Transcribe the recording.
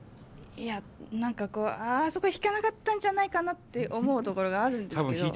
いや何かあそこ弾かなかったんじゃないかなって思うところがあるんですけど。